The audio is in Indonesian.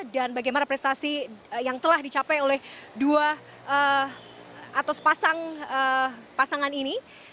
dan bagaimana prestasi yang telah dicapai oleh dua atau sepasang pasangan ini